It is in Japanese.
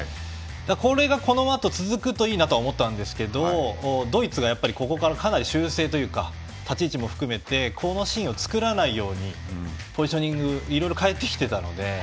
これがこのあと続くといいなと思ったんですけどもドイツがここからかなり修正というか立ち位置も含めてこのシーンを作らないようにポジショニングいろいろ変えてきていたので